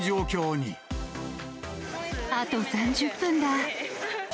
あと３０分だ。